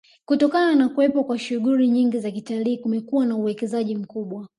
Kutokana na kuwepo kwa shughuli nyingi za kitalii kumekuwa na uwekezaji mkubwa